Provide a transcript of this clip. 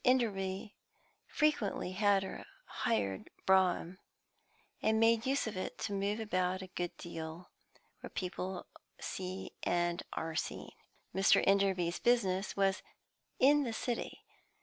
Enderby frequently had her hired brougham, and made use of it to move about a good deal where people see and are seen. Mr. Enderby's business was "in the City."